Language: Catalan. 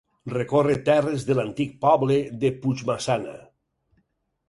Recorre terres de l'antic poble de Puigmaçana.